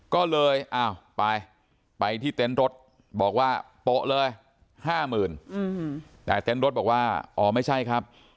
ก็เลยอ้าวไปไปที่เต็นต์รถบอกว่าโป๊ะเลย๕๐๐๐แต่เต็นต์รถบอกว่าอ๋อไม่ใช่ครับ